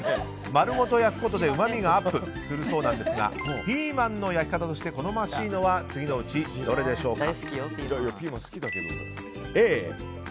丸ごと焼くことで、うまみがアップするそうなんですがピーマンの焼き方として好ましいのは次のうちどれでしょうか。